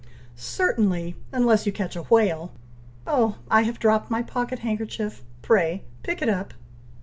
"Certainly! unless you catch a whale! Oh! I have dropped my pocket handkerchief, pray pick it up!"